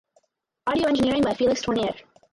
Audio engineering by Felix Tournier.